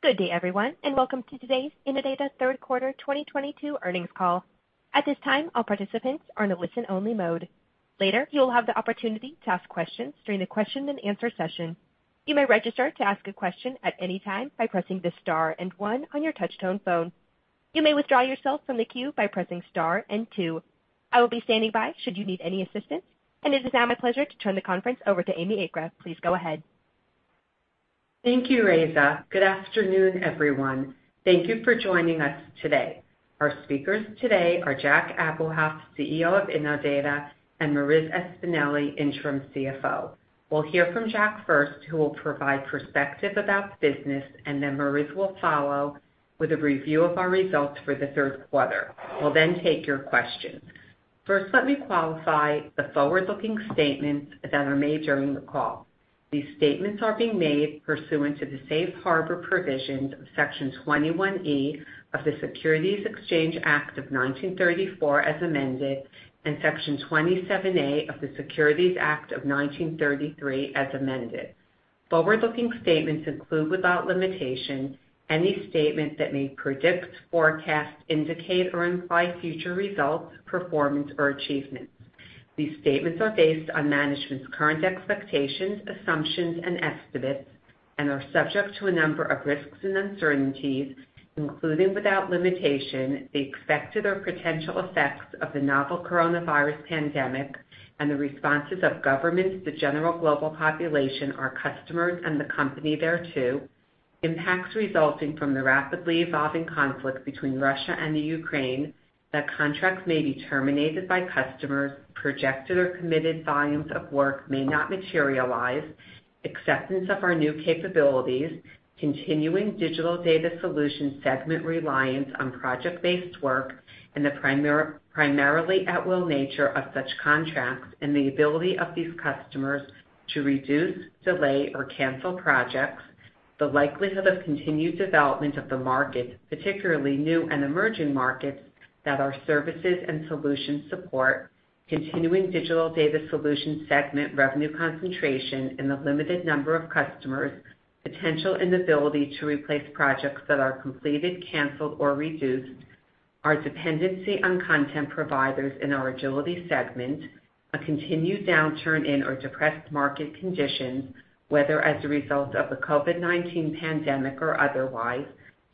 Good day, everyone, and welcome to today's Innodata third quarter 2022 earnings call. At this time, all participants are in a listen-only mode. Later, you will have the opportunity to ask questions during the question and answer session. You may register to ask a question at any time by pressing the Star and One on your touch-tone phone. You may withdraw yourself from the queue by pressing Star and Two. I will be standing by should you need any assistance. It is now my pleasure to turn the conference over to Amy Agress. Please go ahead. Thank you, Elisa. Good afternoon, everyone. Thank you for joining us today. Our speakers today are Jack Abuhoff, CEO of Innodata, and Marissa Espineli, Interim CFO. We'll hear from Jack first, who will provide perspective about the business, and then Marissa will follow with a review of our results for the third quarter. We'll then take your questions. First, let me qualify the forward-looking statements that are made during the call. These statements are being made pursuant to the Safe Harbor provisions of Section 21E of the Securities Exchange Act of 1934 as amended, and Section 27A of the Securities Act of 1933 as amended. Forward-looking statements include, without limitation, any statement that may predict, forecast, indicate, or imply future results, performance, or achievements. These statements are based on management's current expectations, assumptions, and estimates and are subject to a number of risks and uncertainties, including, without limitation, the expected or potential effects of the novel coronavirus pandemic and the responses of governments, the general global population, our customers, and the company thereto. Impacts resulting from the rapidly evolving conflict between Russia and Ukraine that contracts may be terminated by customers, projected or committed volumes of work may not materialize, acceptance of our new capabilities, continuing Digital Data Solutions segment reliance on project-based work, and the primarily at-will nature of such contracts, and the ability of these customers to reduce, delay, or cancel projects. The likelihood of continued development of the market, particularly new and emerging markets that our services and solutions support. Continuing Digital Data Solutions segment revenue concentration and the limited number of customers. Potential inability to replace projects that are completed, canceled, or reduced. Our dependency on content providers in our Agility segment. A continued downturn in our depressed market conditions, whether as a result of the COVID-19 pandemic or otherwise.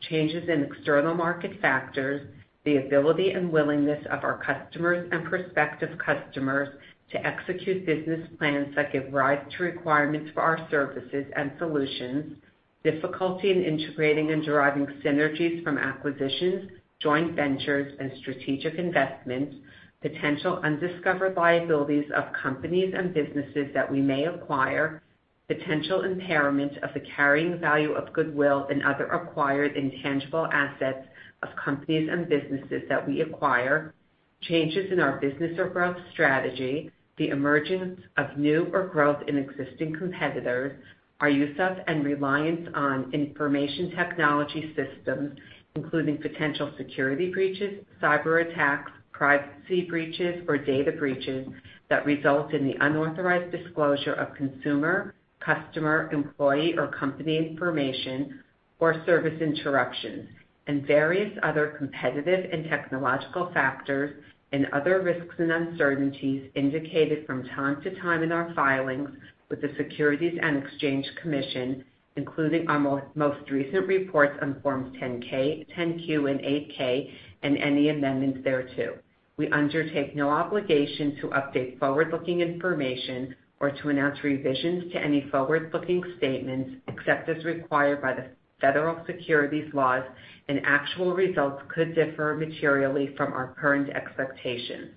Changes in external market factors. The ability and willingness of our customers and prospective customers to execute business plans that give rise to requirements for our services and solutions. Difficulty in integrating and deriving synergies from acquisitions, joint ventures, and strategic investments. Potential undiscovered liabilities of companies and businesses that we may acquire. Potential impairment of the carrying value of goodwill and other acquired intangible assets of companies and businesses that we acquire. Changes in our business or growth strategy. The emergence of new or growth in existing competitors. Our use of and reliance on information technology systems, including potential security breaches, cyberattacks, privacy breaches, or data breaches that result in the unauthorized disclosure of consumer, customer, employee, or company information or service interruptions. Various other competitive and technological factors and other risks and uncertainties indicated from time to time in our filings with the Securities and Exchange Commission, including our most recent reports on Forms 10-K, 10-Q, and 8-K, and any amendments thereto. We undertake no obligation to update forward-looking information or to announce revisions to any forward-looking statements, except as required by the federal securities laws, and actual results could differ materially from our current expectations.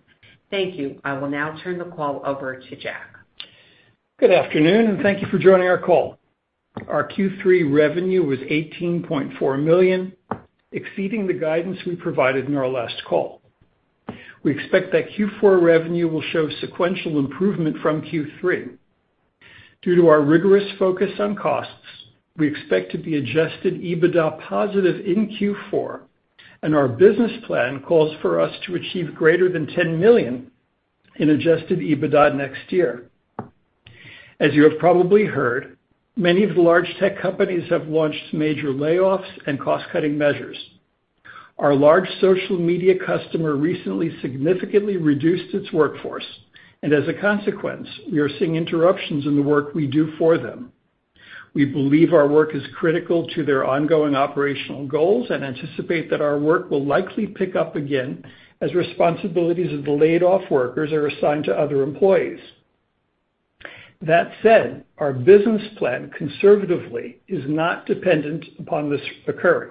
Thank you. I will now turn the call over to Jack. Good afternoon, and thank you for joining our call. Our Q3 revenue was $18.4 million, exceeding the guidance we provided in our last call. We expect that Q4 revenue will show sequential improvement from Q3. Due to our rigorous focus on costs, we expect to be adjusted EBITDA positive in Q4, and our business plan calls for us to achieve greater than $10 million in adjusted EBITDA next year. As you have probably heard, many of the large tech companies have launched major layoffs and cost-cutting measures. Our large social media customer recently significantly reduced its workforce, and as a consequence, we are seeing interruptions in the work we do for them. We believe our work is critical to their ongoing operational goals and anticipate that our work will likely pick up again as responsibilities of the laid-off workers are assigned to other employees. That said, our business plan conservatively is not dependent upon this occurring.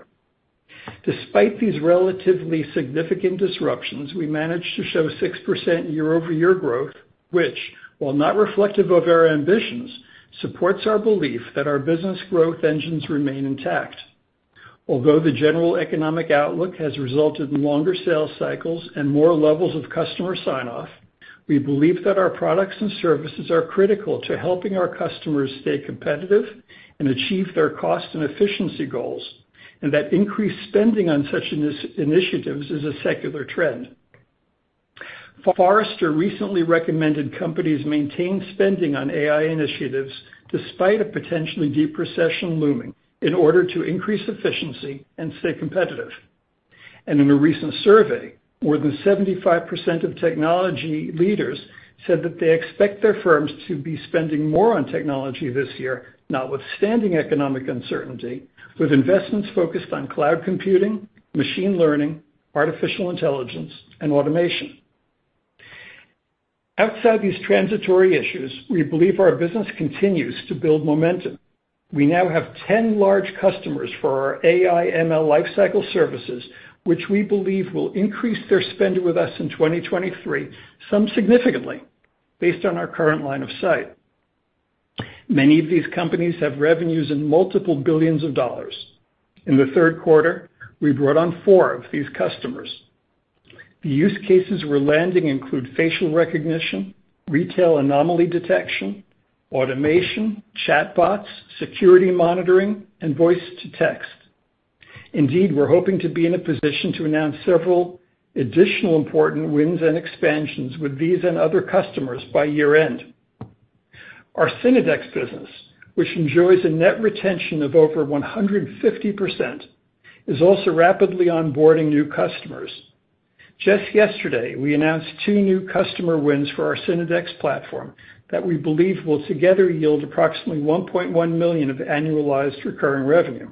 Despite these relatively significant disruptions, we managed to show 6% year-over-year growth, which, while not reflective of our ambitions, supports our belief that our business growth engines remain intact. Although the general economic outlook has resulted in longer sales cycles and more levels of customer sign-off, we believe that our products and services are critical to helping our customers stay competitive and achieve their cost and efficiency goals, and that increased spending on such initiatives is a secular trend. Forrester recently recommended companies maintain spending on AI initiatives despite a potentially deep recession looming in order to increase efficiency and stay competitive. In a recent survey, more than 75% of technology leaders said that they expect their firms to be spending more on technology this year, notwithstanding economic uncertainty, with investments focused on cloud computing, machine learning, artificial intelligence, and automation. Outside these transitory issues, we believe our business continues to build momentum. We now have 10 large customers for our AI ML lifecycle services, which we believe will increase their spend with us in 2023, some significantly, based on our current line of sight. Many of these companies have revenues in multiple billions of dollars. In the third quarter, we brought on 4 of these customers. The use cases we're landing include facial recognition, retail anomaly detection, automation, chatbots, security monitoring, and voice-to-text. Indeed, we're hoping to be in a position to announce several additional important wins and expansions with these and other customers by year-end. Our Synodex business, which enjoys a net retention of over 150%, is also rapidly onboarding new customers. Just yesterday, we announced two new customer wins for our Synodex platform that we believe will together yield approximately $1.1 million of annualized recurring revenue.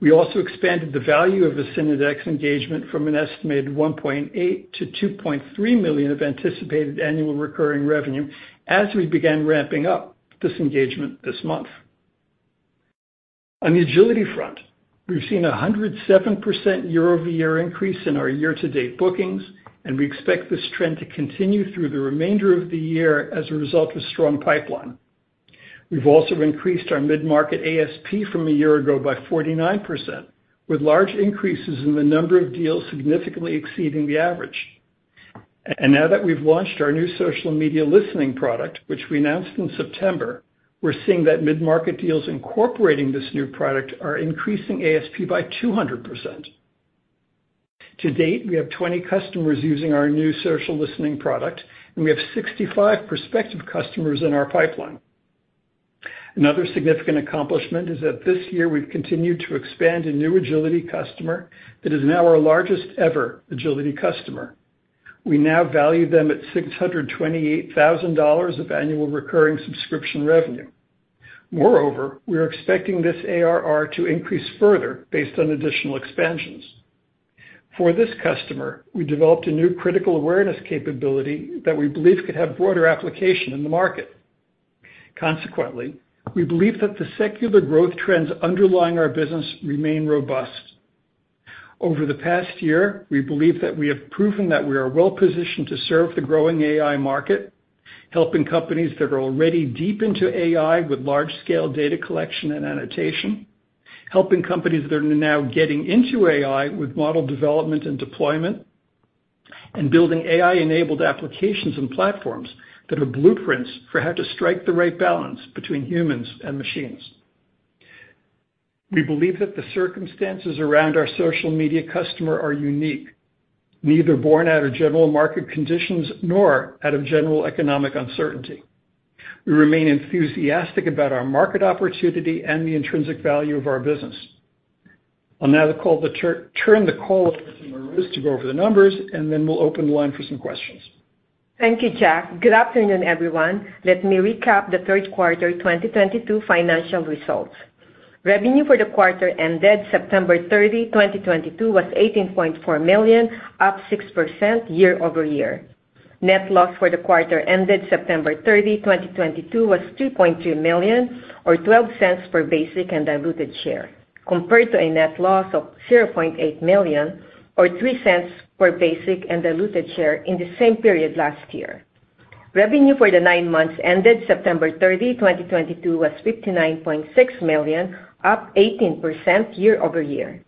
We also expanded the value of the Synodex engagement from an estimated $1.8 million-$2.3 million of anticipated annual recurring revenue as we began ramping up this engagement this month. On the Agility front, we've seen a 107% year-over-year increase in our year-to-date bookings, and we expect this trend to continue through the remainder of the year as a result of strong pipeline. We've also increased our mid-market ASP from a year ago by 49%, with large increases in the number of deals significantly exceeding the average. Now that we've launched our new social media listening product, which we announced in September, we're seeing that mid-market deals incorporating this new product are increasing ASP by 200%. To date, we have 20 customers using our new social listening product, and we have 65 prospective customers in our pipeline. Another significant accomplishment is that this year we've continued to expand a new Agility customer that is now our largest ever Agility customer. We now value them at $628,000 of annual recurring subscription revenue. Moreover, we are expecting this ARR to increase further based on additional expansions. For this customer, we developed a new critical awareness capability that we believe could have broader application in the market. Consequently, we believe that the secular growth trends underlying our business remain robust. Over the past year, we believe that we have proven that we are well-positioned to serve the growing AI market, helping companies that are already deep into AI with large-scale data collection and annotation, helping companies that are now getting into AI with model development and deployment, and building AI-enabled applications and platforms that are blueprints for how to strike the right balance between humans and machines. We believe that the circumstances around our social media customer are unique, neither born out of general market conditions nor out of general economic uncertainty. We remain enthusiastic about our market opportunity and the intrinsic value of our business. I'll now call the turn the call over to Marissa Espineli to go over the numbers, and then we'll open the line for some questions. Thank you, Jack. Good afternoon, everyone. Let me recap the third quarter 2022 financial results. Revenue for the quarter ended September 30, 2022 was $18.4 million, up 6% year-over-year. Net loss for the quarter ended September 30, 2022 was $2.2 million or $0.12 per basic and diluted share, compared to a net loss of $0.8 million or $0.03 per basic and diluted share in the same period last year. Revenue for the nine months ended September 30, 2022 was $59.6 million, up 18% year-over-year.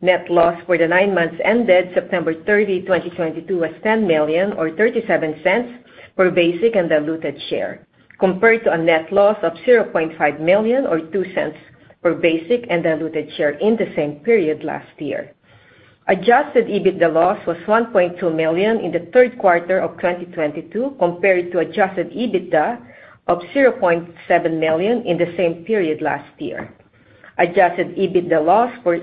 Net loss for the nine months ended September 30, 2022 was $10 million or $0.37 per basic and diluted share, compared to a net loss of $0.5 million or $0.02 per basic and diluted share in the same period last year. Adjusted EBITDA loss was $1.2 million in the third quarter of 2022, compared to adjusted EBITDA of $0.7 million in the same period last year. Adjusted EBITDA loss was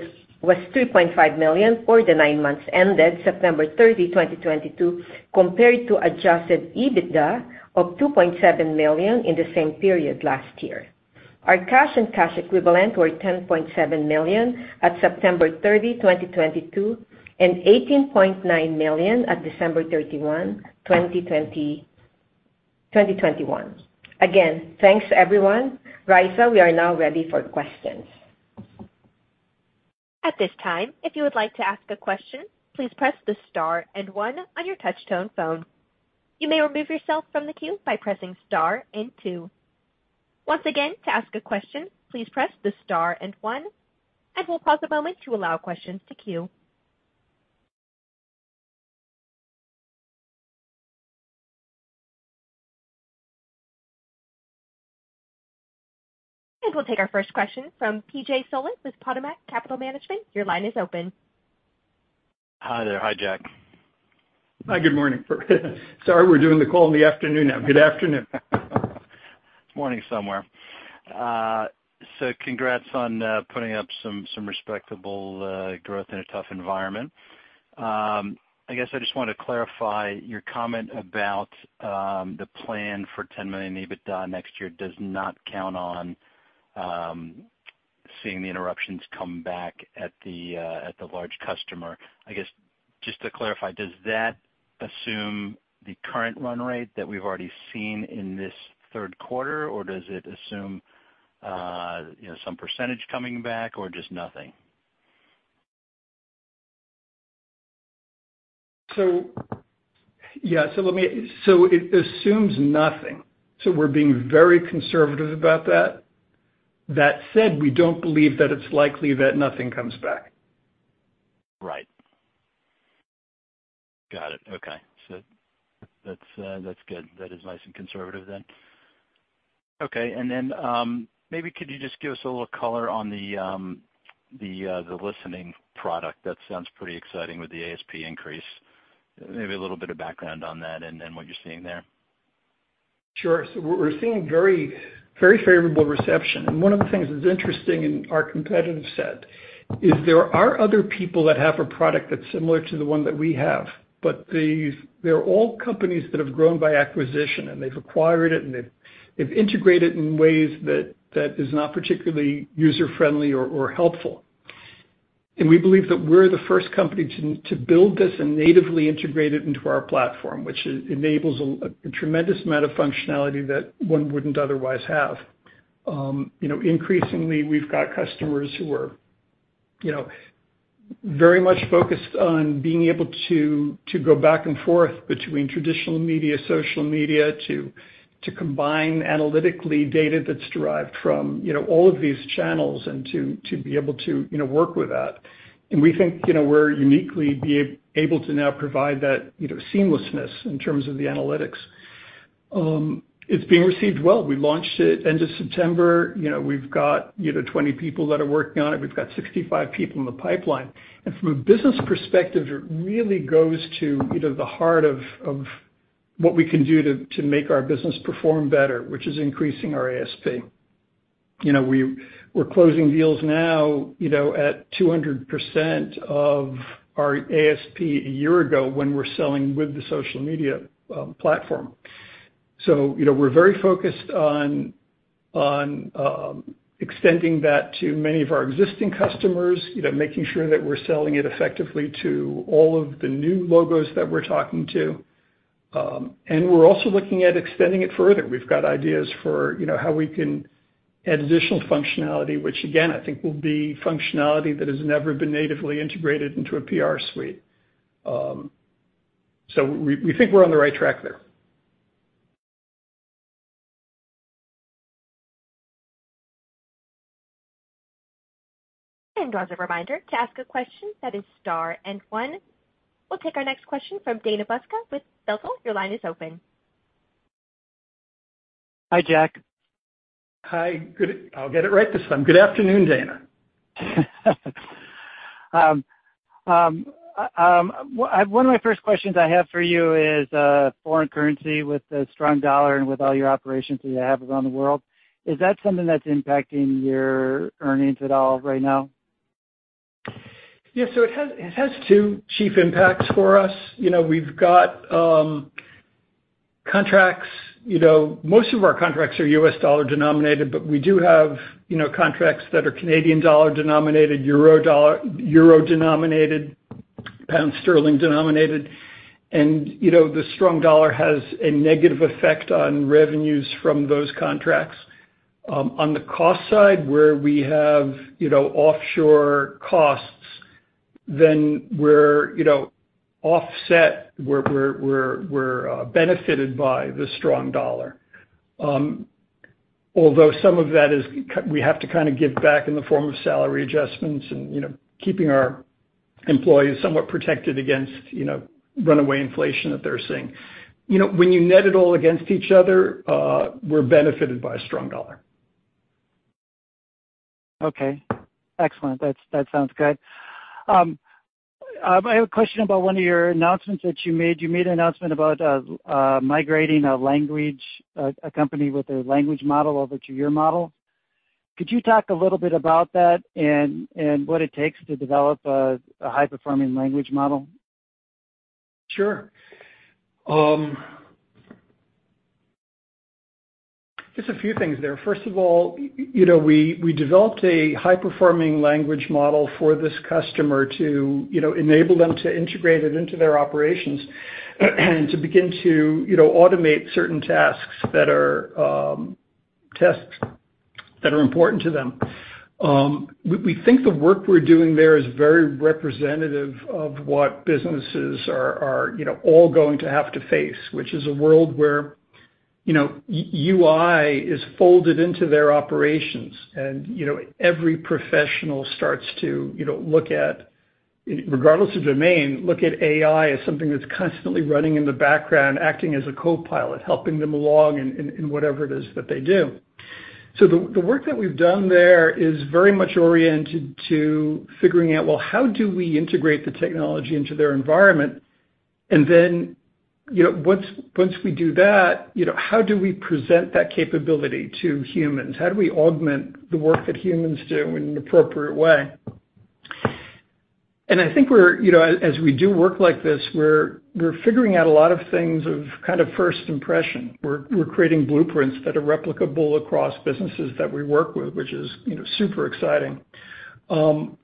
$3.5 million for the nine months ended September 30, 2022, compared to adjusted EBITDA of $2.7 million in the same period last year. Our cash and cash equivalent were $10.7 million at September 30, 2022, and $18.9 million at December 31, 2021. Again, thanks everyone. Raisa, we are now ready for questions. At this time, if you would like to ask a question, please press the star and one on your touch tone phone. You may remove yourself from the queue by pressing star and two. Once again, to ask a question, please press the star and one. We'll pause a moment to allow questions to queue. We'll take our first question from PJ Solit with Potomac Capital Management. Your line is open. Hi there. Hi, Jack. Hi, good morning. Sorry, we're doing the call in the afternoon now. Good afternoon. It's morning somewhere. Congrats on putting up some respectable growth in a tough environment. I guess I just wanted to clarify your comment about the plan for $10 million EBITDA next year does not count on seeing the interruptions come back at the large customer. I guess, just to clarify, does that assume the current run rate that we've already seen in this third quarter, or does it assume you know some percentage coming back or just nothing? Yeah. It assumes nothing. We're being very conservative about that. That said, we don't believe that it's likely that nothing comes back. Right. Got it. Okay. That's good. That is nice and conservative then. Okay. Maybe could you just give us a little color on the listening product? That sounds pretty exciting with the ASP increase. Maybe a little bit of background on that and what you're seeing there. Sure. We're seeing very favorable reception. One of the things that's interesting in our competitive set is there are other people that have a product that's similar to the one that we have, but they're all companies that have grown by acquisition, and they've acquired it, and they've integrated in ways that is not particularly user-friendly or helpful. We believe that we're the first company to build this and natively integrate it into our platform, which enables a tremendous amount of functionality that one wouldn't otherwise have. Increasingly, we've got customers who are, you know, very much focused on being able to go back and forth between traditional media, social media, to combine analytically data that's derived from, you know, all of these channels and to be able to, you know, work with that. We think, you know, we're uniquely able to now provide that, you know, seamlessness in terms of the analytics. It's being received well. We launched it end of September. You know, we've got, you know, 20 people that are working on it. We've got 65 people in the pipeline. From a business perspective, it really goes to, you know, the heart of what we can do to make our business perform better, which is increasing our ASP. You know, we're closing deals now, you know, at 200% of our ASP a year ago when we're selling with the social media platform. You know, we're very focused on extending that to many of our existing customers, you know, making sure that we're selling it effectively to all of the new logos that we're talking to. We're also looking at extending it further. We've got ideas for, you know, how we can add additional functionality, which again, I think will be functionality that has never been natively integrated into a PR suite. We think we're on the right track there. As a reminder, to ask a question, press star one. We'll take our next question from Dana Buska with Feltl Advisors. Your line is open. Hi, Jack. Hi. I'll get it right this time. Good afternoon, Dana. One of my first questions I have for you is, foreign currency with the strong dollar and with all your operations that you have around the world, is that something that's impacting your earnings at all right now? Yeah. It has two chief impacts for us. You know, we've got contracts. You know, most of our contracts are U.S. dollar-denominated, but we do have, you know, contracts that are Canadian dollar-denominated, euro-denominated, pound sterling-denominated. You know, the strong dollar has a negative effect on revenues from those contracts. On the cost side, where we have, you know, offshore costs, then we're, you know, offset. We're benefited by the strong dollar. Although some of that is, we have to kind of give back in the form of salary adjustments and, you know, keeping our employees somewhat protected against, you know, runaway inflation that they're seeing. You know, when you net it all against each other, we're benefited by a strong dollar. Okay. Excellent. That's that sounds good. I have a question about one of your announcements that you made. You made an announcement about migrating a language a company with a language model over to your model. Could you talk a little bit about that and what it takes to develop a high-performing language model? Sure. Just a few things there. First of all, you know, we developed a high-performing language model for this customer to, you know, enable them to integrate it into their operations and to begin to, you know, automate certain tasks that are important to them. We think the work we're doing there is very representative of what businesses are, you know, all going to have to face, which is a world where, you know, AI/UI is folded into their operations and, you know, every professional starts to, you know, regardless of domain, look at AI as something that's constantly running in the background, acting as a copilot, helping them along in whatever it is that they do. The work that we've done there is very much oriented to figuring out, well, how do we integrate the technology into their environment? You know, once we do that, you know, how do we present that capability to humans? How do we augment the work that humans do in an appropriate way? I think we're, you know, as we do work like this, we're figuring out a lot of things of kind of first impression. We're creating blueprints that are replicable across businesses that we work with, which is, you know, super exciting.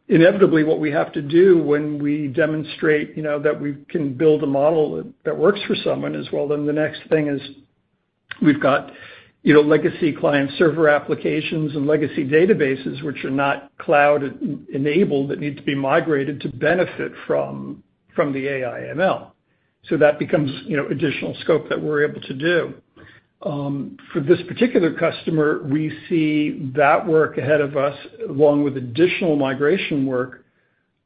Inevitably, what we have to do when we demonstrate, you know, that we can build a model that works for someone is, well, then the next thing is we've got, you know, legacy client-server applications and legacy databases which are not cloud-enabled, that need to be migrated to benefit from the AI/ML. So that becomes, you know, additional scope that we're able to do. For this particular customer, we see that work ahead of us, along with additional migration work,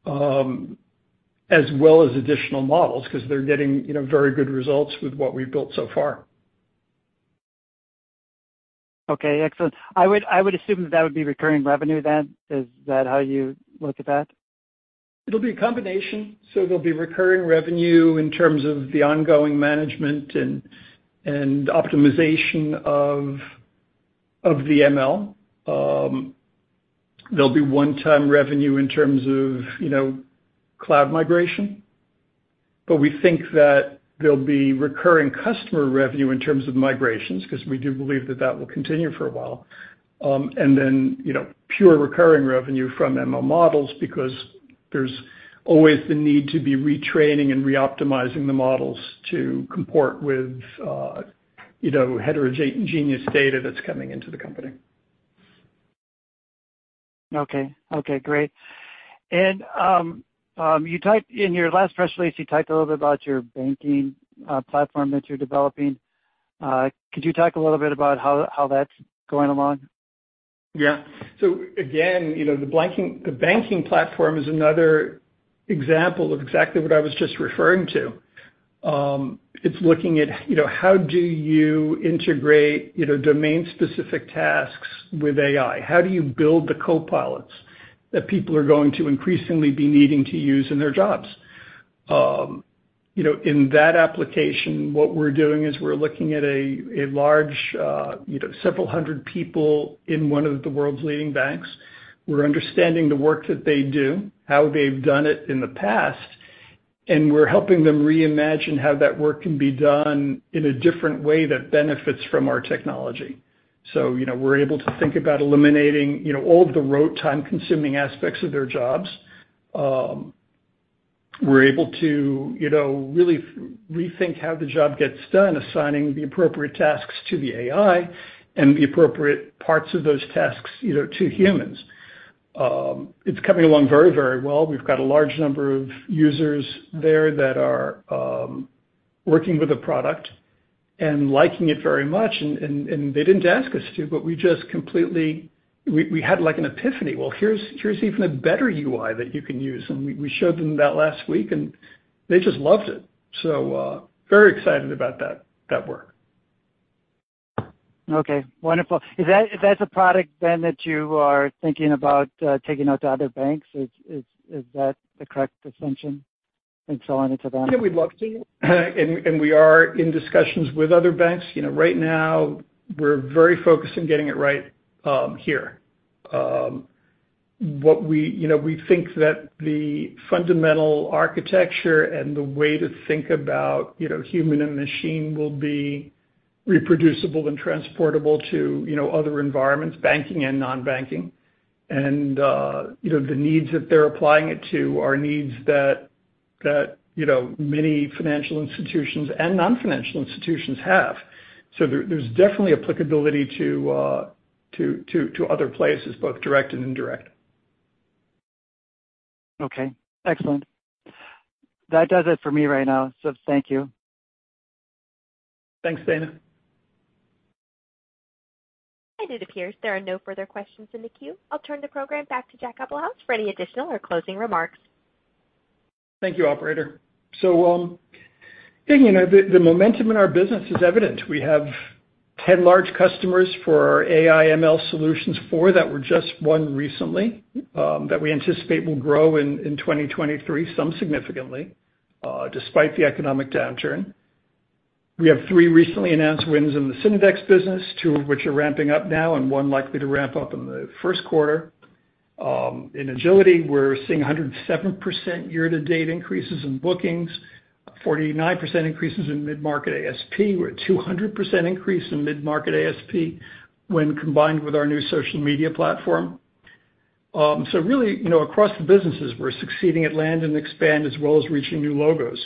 as well as additional models, 'cause they're getting, you know, very good results with what we've built so far. Okay, excellent. I would assume that would be recurring revenue then. Is that how you look at that? It'll be a combination. There'll be recurring revenue in terms of the ongoing management and optimization of the ML. There'll be one-time revenue in terms of, you know, cloud migration. We think that there'll be recurring customer revenue in terms of migrations, 'cause we do believe that that will continue for a while. You know, pure recurring revenue from ML models because there's always the need to be retraining and reoptimizing the models to comport with, you know, heterogeneous data that's coming into the company. Okay. Okay, great. In your last press release, you typed a little bit about your banking platform that you're developing. Could you talk a little bit about how that's going along? Yeah. Again, you know, the banking platform is another example of exactly what I was just referring to. It's looking at, you know, how do you integrate, you know, domain-specific tasks with AI? How do you build the copilots that people are going to increasingly be needing to use in their jobs? You know, in that application, what we're doing is we're looking at a large, you know, several hundred people in one of the world's leading banks. We're understanding the work that they do, how they've done it in the past, and we're helping them reimagine how that work can be done in a different way that benefits from our technology. You know, we're able to think about eliminating, you know, all of the rote time-consuming aspects of their jobs. We're able to, you know, really rethink how the job gets done, assigning the appropriate tasks to the AI and the appropriate parts of those tasks, you know, to humans. It's coming along very, very well. We've got a large number of users there that are working with the product and liking it very much. They didn't ask us to, but we just had like an epiphany. Well, here's even a better UI that you can use, and we showed them that last week, and they just loved it. Very excited about that work. Okay, wonderful. Is that a product then that you are thinking about taking out to other banks? Is that the correct assumption and so on and so on? Yeah, we'd love to. We are in discussions with other banks. You know, right now we're very focused on getting it right, here. You know, we think that the fundamental architecture and the way to think about, you know, human and machine will be reproducible and transportable to, you know, other environments, banking and non-banking. You know, the needs that they're applying it to are needs that, you know, many financial institutions and non-financial institutions have. There, there's definitely applicability to other places, both direct and indirect. Okay, excellent. That does it for me right now. Thank you. Thanks, Dana. It appears there are no further questions in the queue. I'll turn the program back to Jack Abuhoff for any additional or closing remarks. Thank you, operator. You know, the momentum in our business is evident. We have 10 large customers for our AI/ML solutions, four that were just won recently, that we anticipate will grow in 2023, some significantly, despite the economic downturn. We have three recently announced wins in the Synodex business, two of which are ramping up now and one likely to ramp up in the first quarter. In Agility, we're seeing 107% year-to-date increases in bookings, 49% increases in mid-market ASP. We're at 200% increase in mid-market ASP when combined with our new social media platform. Really, you know, across the businesses, we're succeeding at land and expand as well as reaching new logos.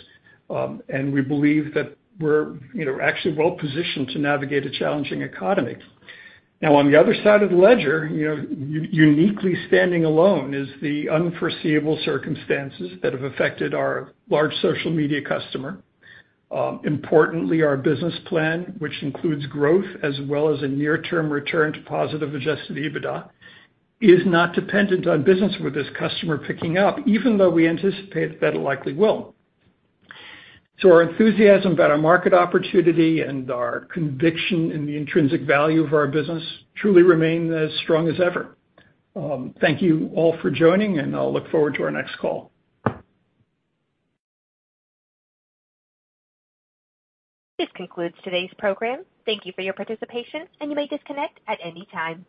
We believe that we're, you know, actually well positioned to navigate a challenging economy. Now, on the other side of the ledger, you know, uniquely standing alone is the unforeseeable circumstances that have affected our large social media customer. Importantly, our business plan, which includes growth as well as a near-term return to positive adjusted EBITDA, is not dependent on business with this customer picking up even though we anticipate that it likely will. Our enthusiasm about our market opportunity and our conviction in the intrinsic value of our business truly remain as strong as ever. Thank you all for joining, and I'll look forward to our next call. This concludes today's program. Thank you for your participation, and you may disconnect at any time.